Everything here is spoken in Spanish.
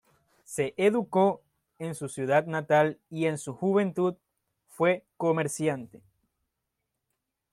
Se educó en su ciudad natal y en su juventud fue comerciante.